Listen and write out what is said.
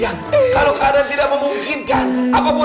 yam kalo keadaan tidak memungkinkan apa boleh buat